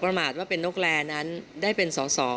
ประมาทว่าเป็นนกแลนั้นได้เป็นสอสอ